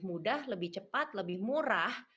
mudah lebih cepat lebih murah